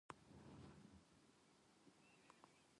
勝者と敗者が存在する